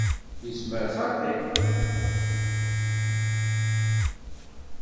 Yezmer xaṭi.